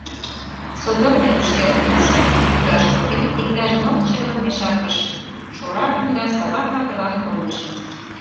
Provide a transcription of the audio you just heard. Содор мӧҥгышкем куржым, вӱташ пурен, иктаж ныл чывым мешакыш шуральым да Саван ватылан кондышым.